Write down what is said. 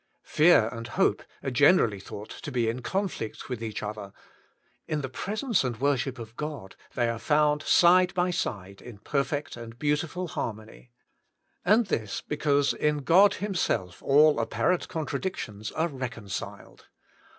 Fear and hope are generally thought to be in conflict with each other, in the presence and worship of God they are found side by side in perfect and beautiful harmony. And this because in God Himself all apparent contradictions are reconciled.